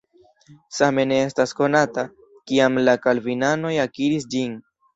Same ne estas konata, kiam la kalvinanoj akiris ĝin.